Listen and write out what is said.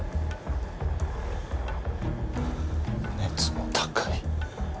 熱も高い。